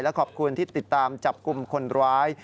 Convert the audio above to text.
ขอบคุณที่ติดตามจับกลุ่มคนร้าย